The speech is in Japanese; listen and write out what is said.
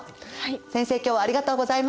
先生今日はありがとうございました。